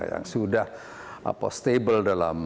yang sudah stable dalam